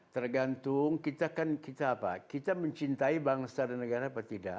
tergantung kita kan kita apa kita mencintai bangsa dan negara apa tidak